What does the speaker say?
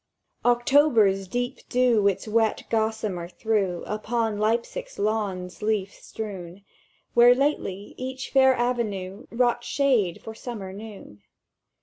"October's deep dew its wet gossamer threw Upon Leipzig's lawns, leaf strewn, Where lately each fair avenue Wrought shade for summer noon.